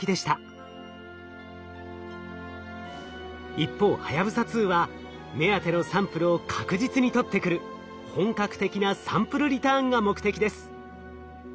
一方はやぶさ２は目当てのサンプルを確実に取ってくる本格的なサンプルリターンが目的です。